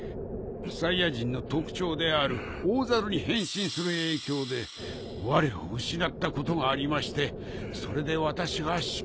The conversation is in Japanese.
サイヤ人の特徴である大猿に変身する影響でわれを失ったことがありましてそれで私が尻尾を。